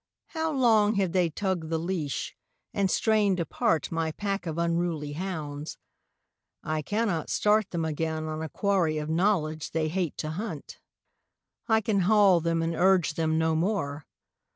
How long have they tugged the leash, and strained apart My pack of unruly hounds: I cannot start Them again on a quarry of knowledge they hate to hunt, I can haul them and urge them no more.